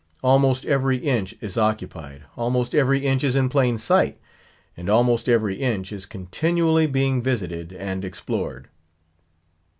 Almost every inch is occupied; almost every inch is in plain sight; and almost every inch is continually being visited and explored.